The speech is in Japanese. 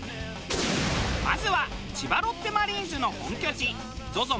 まずは千葉ロッテマリーンズの本拠地ＺＯＺＯ